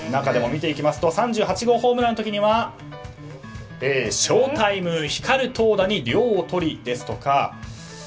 見ていきますと３８号ホームランの時は「翔タイム光る投打に涼をとり」ですとか。